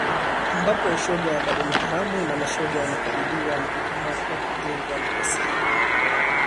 ambapo ushoga bado ni haramu na mashoga wanakabiliwa na kukamatwa kutengwa na ghasia